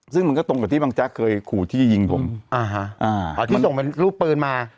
ซึ่งมันก็ตรงกับที่บางแจ๊กเคยขู่ที่ยิงผมอ่าฮะอ่าที่ส่งเป็นรูปปืนมา